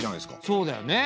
そうだよね。